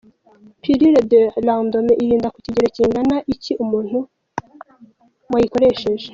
Pilule du lendemain irinda ku kigero kingana iki umuntu wayikoresheje ?.